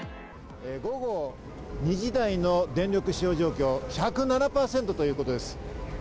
午後２時台の電力使用状況は１０７％ということです。